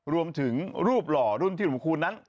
รวมถึงรูปหล่อรุ่นที่หลวงคูณนั้น